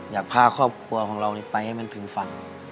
อยากพาครอบครัวของเราไปให้มันถึงฝัน